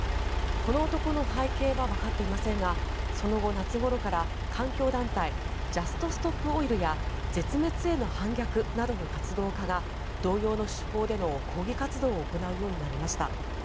この男の背景はわかっていませんがその後、夏ごろから環境団体ジャスト・ストップ・オイルや絶滅への反逆などの活動家が同様の手法での抗議活動を行うようになりました。